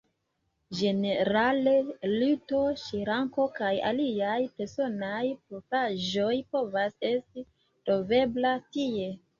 Ĝenerale, lito, ŝranko, kaj aliaj personaj propraĵoj povas esti trovebla tie.